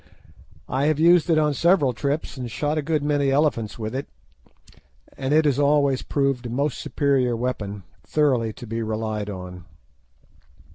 I have used it on several trips, and shot a good many elephants with it, and it has always proved a most superior weapon, thoroughly to be relied on.